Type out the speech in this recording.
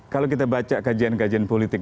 kalau kita baca kajian kajian politik